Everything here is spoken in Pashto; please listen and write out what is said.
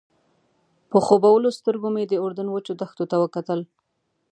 په خوبولو سترګو مې د اردن وچو دښتو ته وکتل.